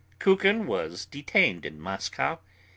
Kukin was detained in Moscow.